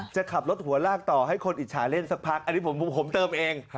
จะขับรถหัวลากต่อให้คนอิจฉาเล่นสักพักอันนี้ผมเติมเอง